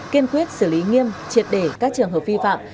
kiên quyết xử lý nghiêm triệt để các trường hợp vi phạm